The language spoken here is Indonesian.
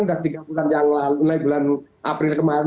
mulai bulan april kemarin